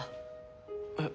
えっ？